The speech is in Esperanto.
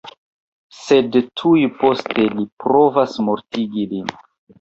Sed tuj poste li provas mortigi lin.